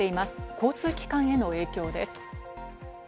交通機関への影響です。